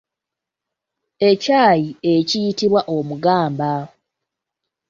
Ekyayi ekiyitibwa omugamba.